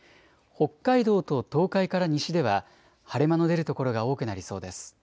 北海道と東海から西では晴れ間の出る所が多くなりそうです。